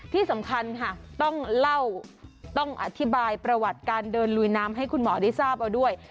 ที่สำคัญค่ะต้องเล่าต้องอธิบายประวัติการเดินลุยน้ำให้คุณหมอได้ทราบเอาด้วย